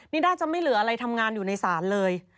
นี่น่าจะไม่เหลืออะไรทำงานอยู่ในศาลเลย